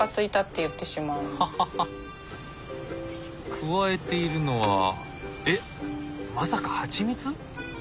加えているのはえっまさかハチミツ？